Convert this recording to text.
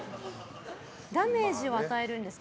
ダメージを与えるんですか？